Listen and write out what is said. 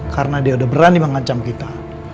karena dia udah berani mengancam kita